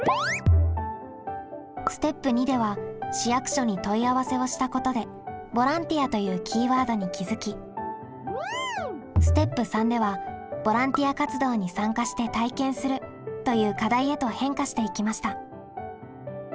ステップ②では市役所に問い合わせをしたことで「ボランティア」というキーワードに気づきステップ③では「ボランティア活動に参加して体験する」という課題へと変化していきました。